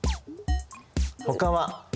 ほかは？